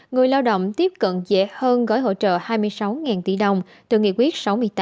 người lao động tiếp cận dễ hơn gói hỗ trợ hai mươi sáu tỷ đồng từ nghị quyết sáu mươi tám